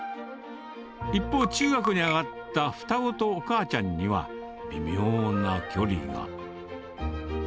一方、中学に上がった双子とお母ちゃんには、微妙な距離が。